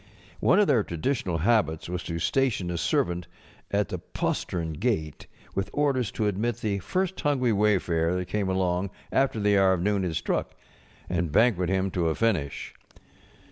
One of their traditional habits was to station a servant at the postern gate with orders to admit the first hungry wayfarer that came along after the hour of noon had struck, and banquet him to a finish.